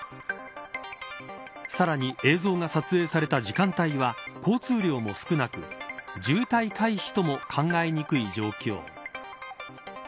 さらに映像が撮影された時間帯は交通量も少なく渋滞回避とも考えにくい状況。